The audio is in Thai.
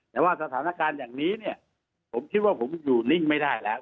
แต่ว่าสถานการณ์อย่างนี้เนี่ยผมคิดว่าผมอยู่นิ่งไม่ได้แล้ว